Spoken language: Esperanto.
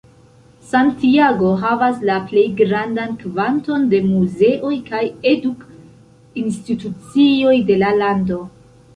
Santiago havas la plej grandan kvanton de muzeoj kaj eduk-institucioj de la lando.